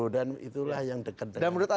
dan itulah yang dekat dengan rakyat